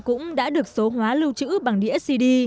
cũng đã được số hóa lưu trữ bằng đĩa cd